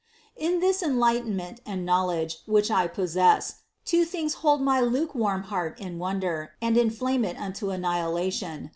37. In this enlightenment and knowledge which I pos sess, two things hold my lukewarm heart in wonder and inflame it unto annihilation.